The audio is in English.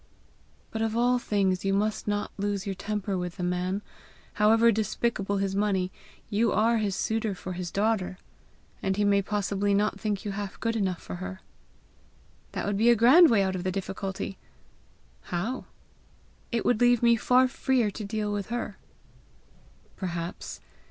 But of all things you must not lose your temper with the man. However despicable his money, you are his suitor for his daughter! And he may possibly not think you half good enough for her." "That would be a grand way out of the difficulty!" "How?" "It would leave me far freer to deal with her." "Perhaps.